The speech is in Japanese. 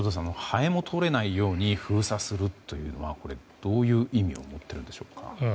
ハエも通れないように封鎖するという、どういう意味を持っているんでしょうか？